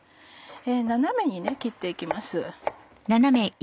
斜めに切って行きます。